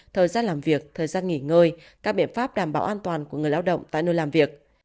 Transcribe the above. thời gian làm việc thời gian nghỉ ngơi các biện pháp đảm bảo an toàn của người lao động tại nơi làm việc